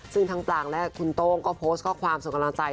ซึ่งทั้งปลางและคุณโต้งก็โพสต์ข้อความส่งกำลังใจ